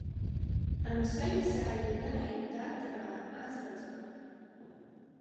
Анцәа ишәзааимгааит, дадраа, азаҵәра.